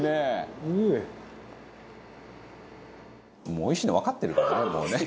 もうおいしいのわかってるからね